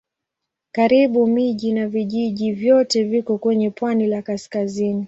Karibu miji na vijiji vyote viko kwenye pwani la kaskazini.